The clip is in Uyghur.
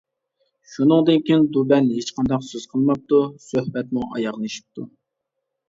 شۇنىڭدىن كېيىن دۇبەن ھېچقانداق سۆز قىلماپتۇ، سۆھبەتمۇ ئاياغلىشىپتۇ.